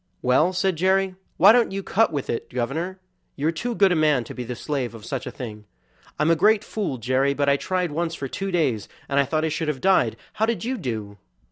"Well," said Jerry, "why don't you cut with it, governor? You are too good a man to be the slave of such a thing." "I'm a great fool, Jerry, but I tried once for two days, and I thought I should have died; how did you do?"